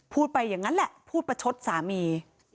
พูดไปอย่างนั้นแหละพูดประชดสามี